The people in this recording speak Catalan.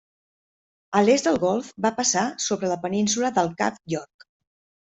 A l'est del golf va passar sobre la península del Cap York.